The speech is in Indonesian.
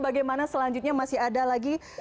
bagaimana selanjutnya masih ada lagi